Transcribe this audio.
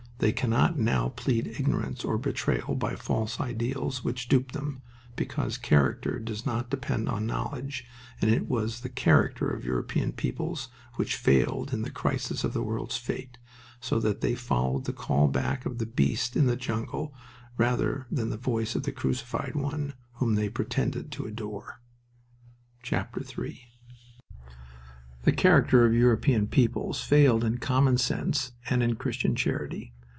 They cannot now plead ignorance or betrayal by false ideals which duped them, because character does not depend on knowledge, and it was the character of European peoples which failed in the crisis of the world's fate, so that they followed the call back of the beast in the jungle rather than the voice of the Crucified One whom they pretended to adore. III The character of European peoples failed in common sense and in Christian charity.